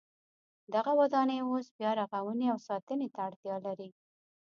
دغه ودانۍ اوس بیا رغونې او ساتنې ته اړتیا لري.